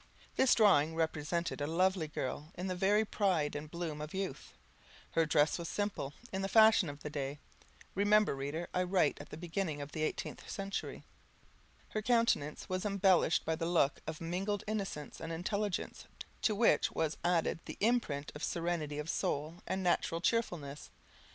This drawing represented a lovely girl in the very pride and bloom of youth; her dress was simple, in the fashion of the day (remember, reader, I write at the beginning of the eighteenth century), her countenance was embellished by a look of mingled innocence and intelligence, to which was added the imprint of serenity of soul and natural cheerfulness.